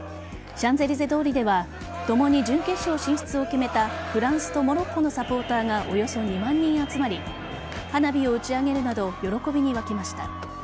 シャンゼリゼ通りでは共に準決勝進出を決めたフランスとモロッコのサポーターがおよそ２万人集まり花火を打ち上げるなど喜びに沸きました。